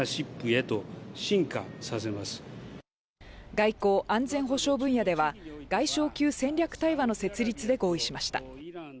外交・安全保障分野では外相級戦略対話の設立で合意しました。